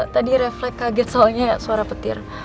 tadi refleks kaget soalnya ya suara petir